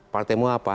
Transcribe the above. partai mu apa